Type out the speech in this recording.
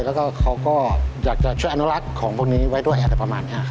แล้วก็เขาก็อยากจะช่วยอนุรักษ์ของพวกนี้ไว้ด้วยอะไรประมาณนี้ครับ